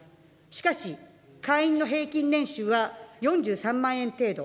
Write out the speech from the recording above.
しかし、会員の平均年収は４３万円程度。